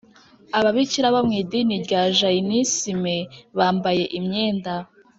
ababikira bo mu idini rya jayinisime bambaye imyenda